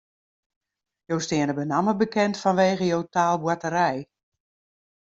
Jo steane benammen bekend fanwege jo taalboarterij.